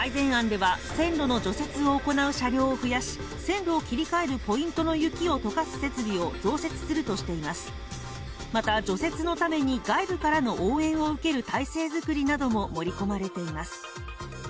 線路の除雪を行う車両を増やし線路を切り替えるポイントの雪をとかす設備を増設するとしていますまた除雪のために外部からの応援を受ける体制作りなども盛り込まれています